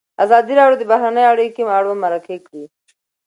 ازادي راډیو د بهرنۍ اړیکې اړوند مرکې کړي.